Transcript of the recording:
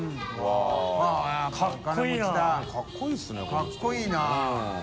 かっこいいな。